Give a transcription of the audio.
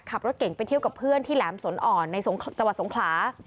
ขับรถเก่งไปเที่ยวกับเพื่อนที่แหลมสนอ่อนในจังหวัดสงขลา